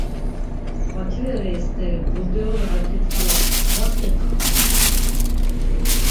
Bakire rei steri burdeuli ar k̆itxala va gk̆itxaminon moro.